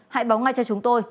hãy báo ngay cho chúng tôi